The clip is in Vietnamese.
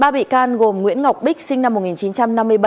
ba bị can gồm nguyễn ngọc bích sinh năm một nghìn chín trăm năm mươi bảy